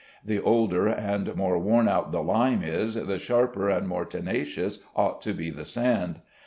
The older and more worn out the lime is, the sharper and more tenacious ought to be the sand.